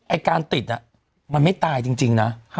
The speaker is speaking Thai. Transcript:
ไอ้การติดมันไม่ตายจริงนะ